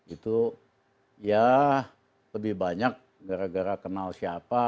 itu ya lebih banyak gara gara kenal siapa